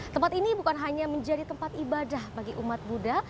tempat ini bukan hanya menjadi tempat ibadah bagi umat buddha